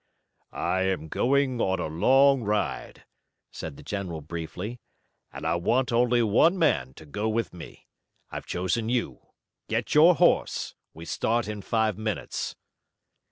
"I am going on a long ride," said the general briefly, "and I want only one man to go with me. I've chosen you. Get your horse. We start in five minutes."